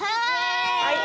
はい！